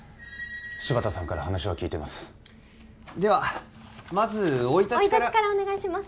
柴田さんから話は聞いていますではまず生い立ちから生い立ちからお願いします